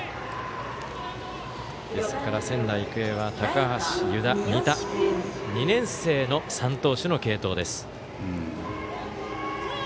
ですから仙台育英は高橋、湯田、仁田２年生の３投手の継投です。